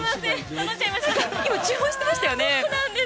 今、注文していましたよね。